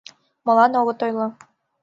Молан огыт ойло